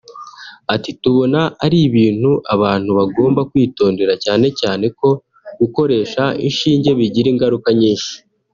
Ati “ Tubona ari ibintu abantu bagomba kwitondera cyane cyane ko gukoresha inshinge bigira ingaruka nyinshi